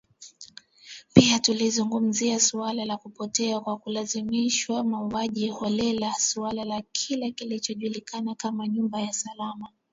Pia tulizungumzia suala la kupotea kwa kulazimishwa, mauaji holela, suala la kile kinachojulikana kama nyumba salama